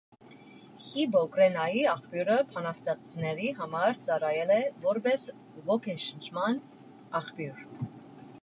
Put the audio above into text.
Հիպոկրենայի աղբյուրը բանաստեղծների համար ծառայել է, որպես ոգեշնչման աղբյուր։